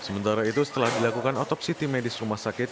sementara itu setelah dilakukan otopsi tim medis rumah sakit